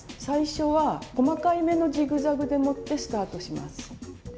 最初は細かい目のジグザグでもってスタートします。